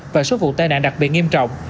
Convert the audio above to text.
và số vụ tai nạn đặc biệt nghiêm trọng